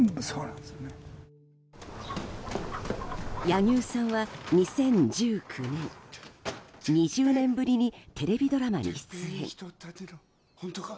柳生さんは２０１９年２０年ぶりにテレビドラマに出演。